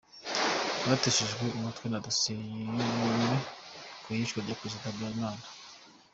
Bateshejwe umutwe n’idosiye yubuwe ku iyicwa rya Perezida Habyarimana.